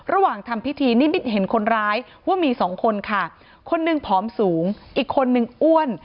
ระหว่างทำพิธีนิมิตเห็นคนร้ายว่ามีสองคนค่ะคนหนึ่งผอมสูงอีกคนนึงอ้วน